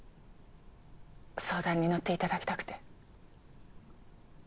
相談に乗っていただきたくて。